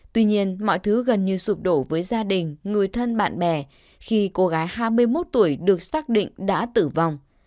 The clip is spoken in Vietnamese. tuy nhiên mọi thứ gần như sụp đổ với gia đình người thân bạn bè khi cô gái hai mươi một tuổi được xác định đã tử vong